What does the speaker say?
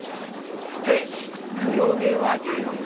ステーキ、黒毛和牛。